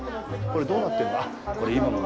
これ、どうなってんの？